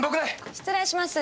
失礼します！